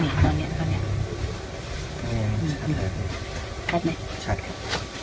ขอบคุณครับ